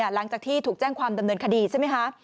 หลังจากที่ถูกแจ้งความดำเนินคดีใช่ไหมคะ